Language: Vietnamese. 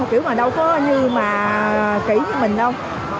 kiểu mà đâu có như mà kỹ với mình đâu